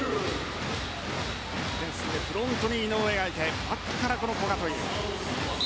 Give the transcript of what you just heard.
オフェンスでフロントに井上がいてバックから古賀という。